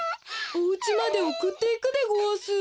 おうちまでおくっていくでごわす。